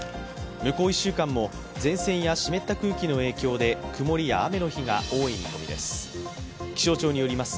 向こう１週間も前線や湿った空気の影響で曇りや雨の日が多い見込みです。